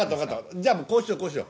じゃあもうこうしよう。